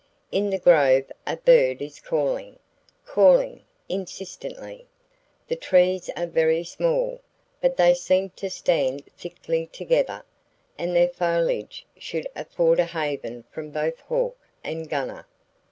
In the grove a bird is calling, calling, insistently. The trees are very small; but they seem to stand thickly together, and their foliage should afford a haven from both hawk and gunner.